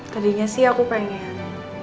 tadinya sih aku pengen